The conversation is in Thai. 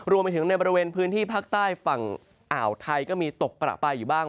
รวมไปถึงในบริเวณพื้นที่ภาคใต้ฝั่งอ่าวไทยก็มีตกประปายอยู่บ้าง